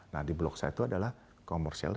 nah di blok satu adalah commercial